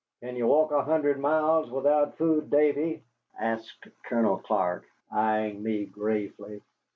"Can you walk an hundred miles without food, Davy?" asked Colonel Clark, eying me gravely.